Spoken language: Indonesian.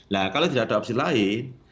nah kalau tidak ada opsi lain